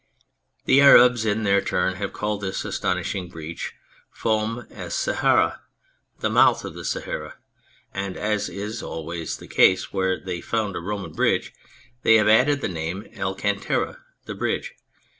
The Arabs, in their turn, have called this astonishing breach " Foum es Sahara " the mouth of the Sahara ; and, as is always the case where they found a Roman bridge, they have added the name El Kantara, the bridge.